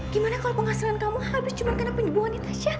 gimana kalau penghasilan kamu habis cuma karena penjubuhan tasha